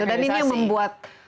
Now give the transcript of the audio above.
dan ini yang membuat